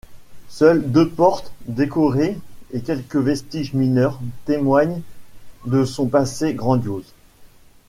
Seules deux portes décorées et quelques vestiges mineurs témoignent de son passé grandiose.